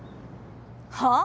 はあ？